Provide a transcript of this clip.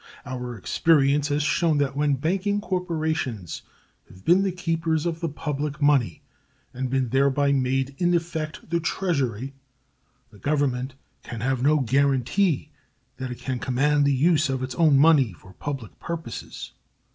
Our experience has shown that when banking corporations have been the keepers of the public money, and been thereby made in effect the Treasury, the Government can have no guaranty that it can command the use of its own money for public purposes.